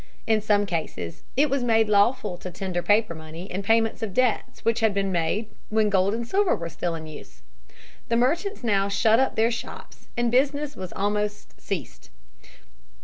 In some cases it was made lawful to tender paper money in payments of debts which had been made when gold and silver were still in use. The merchants now shut up their shops, and business almost ceased.